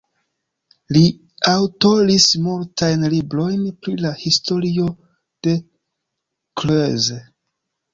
Li aŭtoris multajn librojn pri la historio de Creuse.